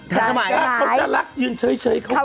ทันสมัยถ้าเขาจะรักยืนเฉยเขาก็รักนี่